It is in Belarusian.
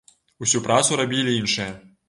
Усю працу рабілі іншыя.